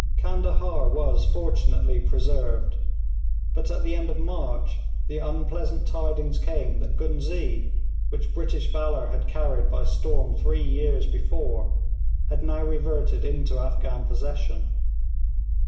Candahar was fortunately preserved, but at the end of March the unpleasant tidings came that Ghuznee, which British valour had carried by storm three years before, had now reverted into Afghan possession.